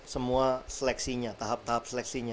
semua seleksinya tahap tahap seleksinya